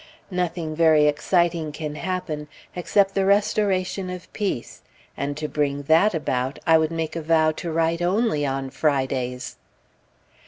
Nothing very exciting can happen, except the restoration of peace; and to bring that about, I would make a vow to write only on Fridays.